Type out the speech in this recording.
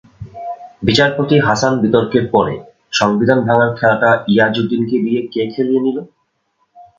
বিচারপতি হাসান বিতর্কের পরে সংবিধান ভাঙার খেলাটা ইয়াজউদ্দিনকে দিয়ে কে খেলিয়ে নিল?